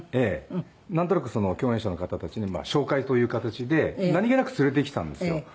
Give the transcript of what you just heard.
なんとなく共演者の方たちに紹介という形で何げなく連れてきたんですよ。